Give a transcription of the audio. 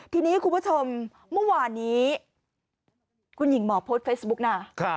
ทีนี้คุณผู้ชมเมื่อวานนี้คุณหญิงหมอโพสต์เฟซบุ๊กนะ